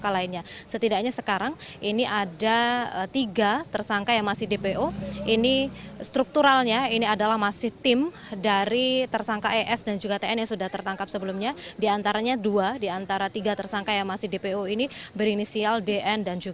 ahli bahasa ahli dari kementerian